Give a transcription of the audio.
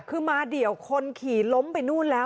คือมาเดี่ยวคนขี่ล้มไปนู่นแล้ว